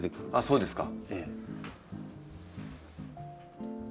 そうですか。